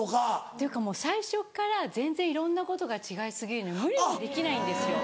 っていうかもう最初っから全然いろんなことが違い過ぎるので無理はできないんですよ。